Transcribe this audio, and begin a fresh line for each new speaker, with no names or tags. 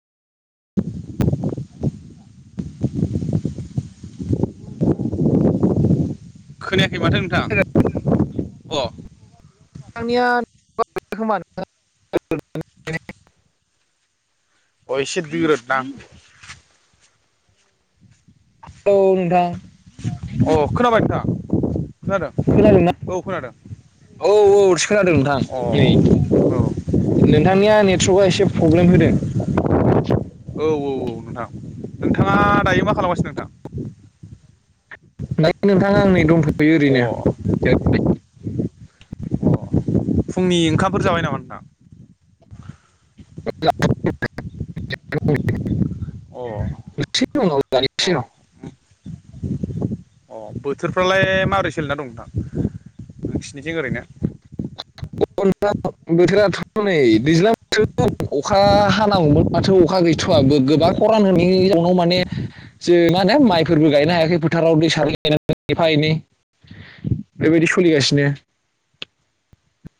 खोनायाखै माथो नोंथां अ
नोंथांनिया [unintelligible]
अ एसे दोरोद नां
औ नोंथां
अ खोनाबाय नोंथां खोनादों
खोनादोंना?
औ खोनादों।
औ औ सो खोनादों नोंथां
अ
नै
औ
नोंथांनिया नेटवर्कआ एसे प्रब्लेम होदों।
औ औ औ नोंथां नोंथाङा दायो मा खालामगासिनो नोंथां?
दा नोंथाङा आं नै दंथ'यो
अ
ओरैनो [unintelligible]
अ फुंनि ओंखामफोर जाबाय नामा नोंथां? [inaudible] अ अ
[unintelligible]
अ बोथोरफ्रालाय माबोरै सोलिना दं नोंथां? नोंसिनिथिं ओरैनो
[unintelligible] बोथोराथ' नै दैज्लां बोथोर अखा हानांगौमोन माथो अखा गैथ'वा गोबां खरान होनाय नि माने [unintelligible] जो मा होनो माइफोरबो गायनो हायाखै फोथाराव दै सारनानै गाबनांदों एफा एनै बेबायदि सोलिगासिनो